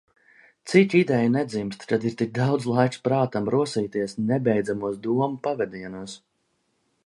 Cik ideju nedzimst, kad ir tik daudz laiks prātam rosīties nebeidzamos domu pavedienos.